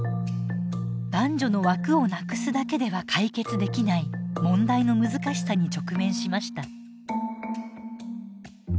男女の枠をなくすだけでは解決できない問題の難しさに直面しました。